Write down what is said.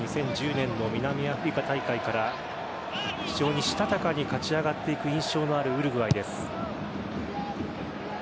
あの２０１０年の南アフリカ大会から非常にしたたかに勝ち上がっていく印象のあるウルグアイです。